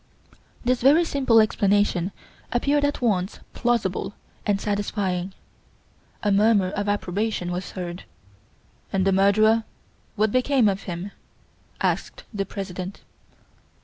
This very simple explanation appeared at once plausible and satisfying. A murmur of approbation was heard. "And the murderer? What became of him?" asked the President.